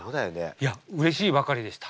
いやうれしいばかりでした。